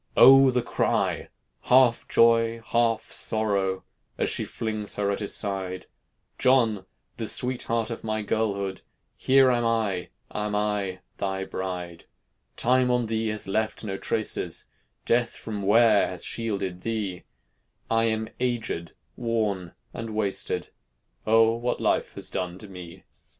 O! the cry, half joy, half sorrow, As she flings her at his side: "John! the sweetheart of my girlhood, Here am I, am I, thy bride. "Time on thee has left no traces, Death from wear has shielded thee; I am agéd, worn, and wasted, O! what life has done to me!"